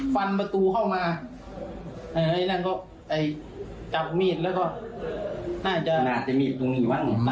ฟันประตูเข้ามาไอ้นั่นก็ไปจับมีดแล้วก็น่าจะมีดตรงนี้มั้ง